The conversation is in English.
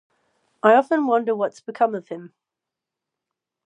I often wonder what’s become of him.